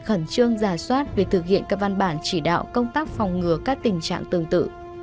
khẩn trương giả soát việc thực hiện các văn bản chỉ đạo công tác phòng ngừa các tình trạng tương tự